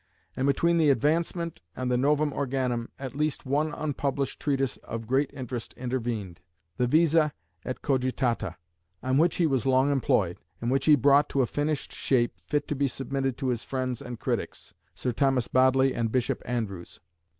And between the Advancement and the Novum Organum at least one unpublished treatise of great interest intervened, the Visa et Cogitata, on which he was long employed, and which he brought to a finished shape, fit to be submitted to his friends and critics, Sir Thomas Bodley and Bishop Andrewes.